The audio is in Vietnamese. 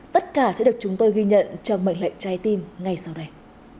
tất cả sẽ được chúng tôi ghi nhận trong mệnh lệnh trái tim ngay sau đây